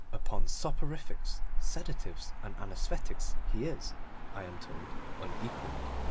Upon soporifics, sedatives, and anaesthetics he is, I am told, unequalled.